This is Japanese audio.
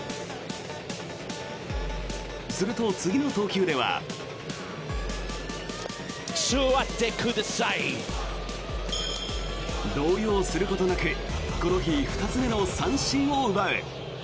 すると、次の投球では。動揺することなくこの日２つ目の三振を奪う。